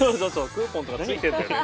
クーポンとかね付いてんだよね